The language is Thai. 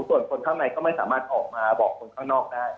ส่วนคนข้างในก็ไม่สามารถออกมาบอกคนข้างนอกได้